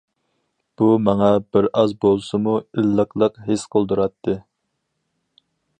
بۇ ماڭا بىر ئاز بولسىمۇ ئىللىقلىق ھېس قىلدۇراتتى.